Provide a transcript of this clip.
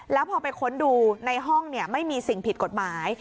แล้วพอไปค้นดูในห้องไม่มีสิ่งผิดกฎหมาย